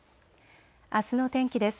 あすの天気です。